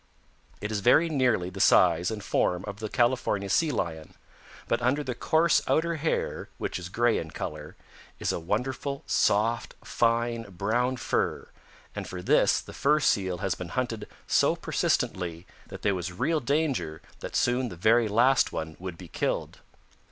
It is very nearly the size and form of the California Sea Lion, but under the coarse outer hair, which is gray in color, is a wonderful soft, fine, brown fur and for this the Fur Seal has been hunted so persistently that there was real danger that soon the very last one would be killed.